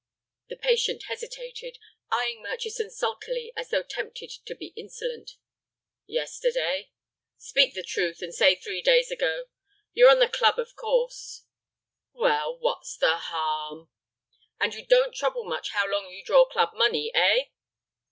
The patient hesitated, eying Murchison sulkily as though tempted to be insolent. "Yesterday." "Speak the truth and say three days ago. You're on your 'club'—of course." "Well, what's the harm?" "And you don't trouble much how long you draw club money, eh?"